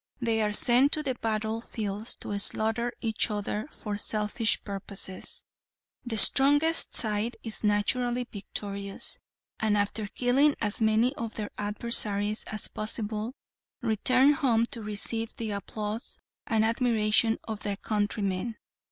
They are sent to the battle fields to slaughter each other for selfish purposes. The strongest side is naturally victorious, and after killing as many of their adversaries as possible, return home to receive the applause and admiration of their countrymen.